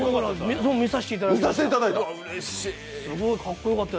見させていただきました。